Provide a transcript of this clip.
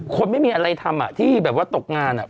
ไม่มีอะไรทำที่แบบว่าตกงาน